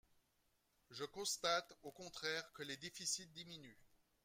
Je constate, au contraire, que les déficits diminuent.